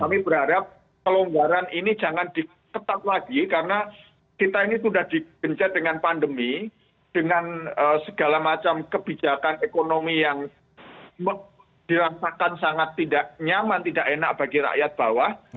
kami berharap kelonggaran ini jangan diketat lagi karena kita ini sudah digencat dengan pandemi dengan segala macam kebijakan ekonomi yang dirasakan sangat tidak nyaman tidak enak bagi rakyat bawah